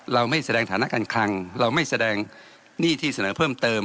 เราไม่แสดงฐานะการคลังเราไม่แสดงหนี้ที่เสนอเพิ่มเติม